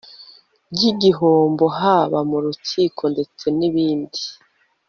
ryigihombo haba mu rukiko ndetse nibindi